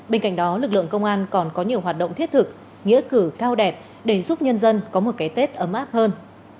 bên cạnh đó lực lượng công an còn có nhiều hoạt động thiết thực nghĩa cử cao đẹp để giúp nhân dân có một cái tết ấm áp hơn